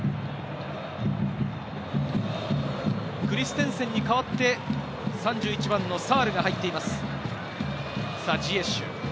クリステンセンに代わって、３１番のサールが入っています。